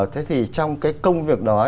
thế thì trong cái công việc đó